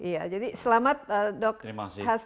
iya jadi selamat dok